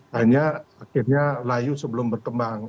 hanya akhirnya layu sebelum berkembang